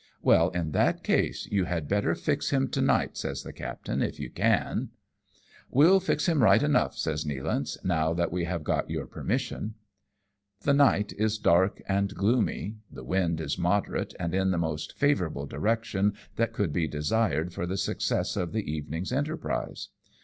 " "Well, in that case you had better fix him to night," says the captain, " if you can." MAKING WOO AH CHEONG PAY UP. 199 " We'll fix him right enough/' says Nealancej " now that we have got your permission." The night is dark and gloomy ; the wind is moderate and in the most favourable direction that could be desired for the success of the evening's enterprise.